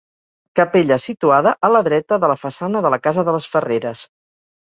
Capella situada a la dreta de la façana de la casa de les Ferreres.